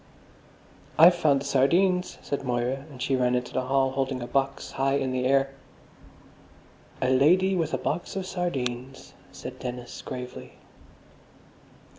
"I've found the sardines," said Moira, and she ran into the hall, holding a box high in the air. "A Lady with a Box of Sardines," said Dennis gravely.